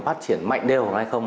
phát triển mạnh đều hay không